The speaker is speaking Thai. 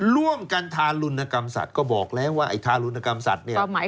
ร่วมกันทารุณกรรมสัตว์ก็บอกแล้วว่าไอ้ทารุณกรรมสัตว์เนี่ย